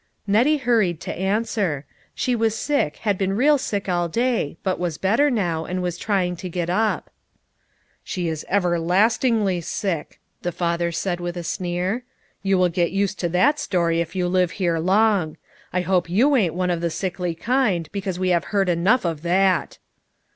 Nettie hurried to answer; she was sick, had been real sick all day, but was better now, and was trying to get up. " She is everlastingly sick," the father said with a sneer; "you will get used to that story if you live here long. I hope you ain't one of the sickly kind, because we have heard enough of that."